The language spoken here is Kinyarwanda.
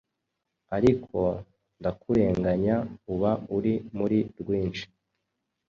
Ariko ndakurenganya uba uri muri rwinshi.